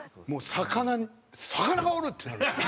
魚「魚がおる！」ってなるんです。